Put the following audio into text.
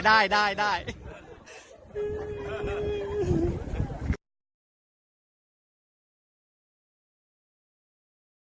กาเงินไหว